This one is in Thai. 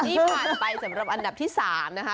นี่ผ่านไปสำหรับอันดับที่๓นะคะ